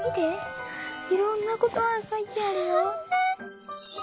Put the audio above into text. いろんなことばがかいてあるよ。